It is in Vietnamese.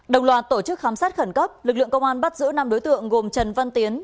đồng loạt tổ chức khám xét khẩn cấp lực lượng công an bắt giữ năm đối tượng gồm trần văn tiến